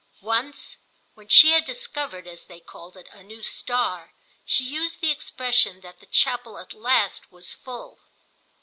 Once when she had discovered, as they called it, a new star, she used the expression that the chapel at last was full.